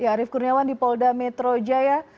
arief kurniawan di polda metro jaya